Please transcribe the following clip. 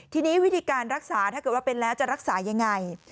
ทีนี้วิธีการรักษาถ้าเกิดว่าเป็นแล้วจะรักษายังไง